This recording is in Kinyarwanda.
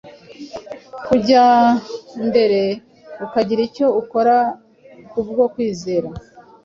kujya mbere akagira icyo akora kubwo kwizera